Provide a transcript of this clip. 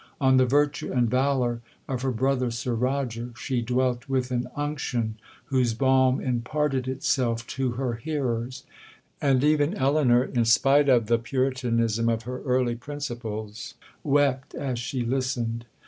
On the virtue and valour of her brother Sir Roger, she dwelt with an unction whose balm imparted itself to her hearers; and even Elinor, in spite of the Puritanism of her early principles, wept as she listened.